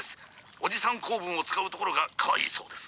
おじさん構文を使うところがかわいいそうです」。